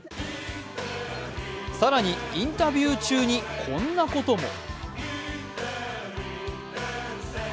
更にインタビュー中にこんなことも。